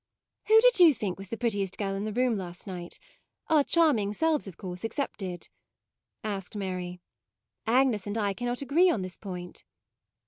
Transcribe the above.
" Who did you think was the prettiest girl in the room last night ? our charming selves, of course, ex cepted," asked Mary ;" Agnes and I cannot agree on this point."